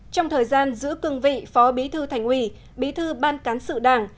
trong thời gian giữ cương vị phó bí thư thành ủy bí thư ban cán sự đảng